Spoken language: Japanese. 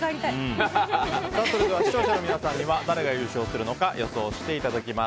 それでは視聴者の皆さんには誰が優勝するのか予想していただきます。